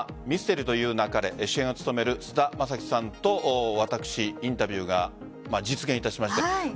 「ミステリと言う勿れ」主演を務める菅田将暉さんと私、インタビューが実現いたしました。